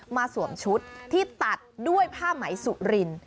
สวมชุดที่ตัดด้วยผ้าไหมสุริน